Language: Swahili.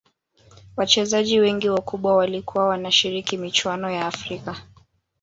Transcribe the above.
Wachezaji wengi wakubwa walikuwa wanashiriki michuano ya afrika